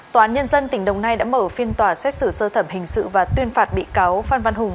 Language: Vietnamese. tòa án nhân dân tỉnh đồng nai đã mở phiên tòa xét xử sơ thẩm hình sự và tuyên phạt bị cáo phan văn hùng